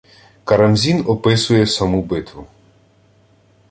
Карамзін описує саму битву: